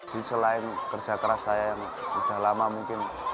jadi selain kerja keras saya yang sudah lama mungkin